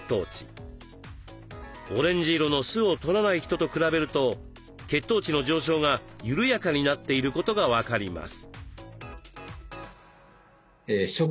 オレンジ色の酢をとらない人と比べると血糖値の上昇が緩やかになっていることが分かります。